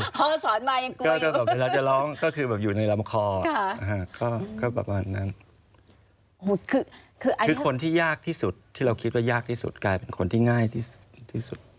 พอสอนมายังกลัวอยู่ก็คืออยู่ในรำคอคือคนที่ยากที่สุดที่เราคิดว่ายากที่สุดกลายเป็นคนที่ง่ายที่สุด